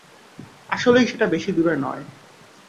আসলেই সেটা বেশি দূরে নয়।